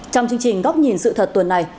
trong chương trình góc nhìn sự thật tuần này